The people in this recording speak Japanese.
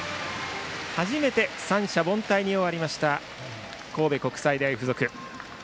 初めて三者凡退に終わりました神戸国際大付属。